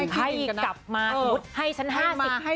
ให้กลับมาสมมุติให้ฉัน๕๐ถ้ายออกไล่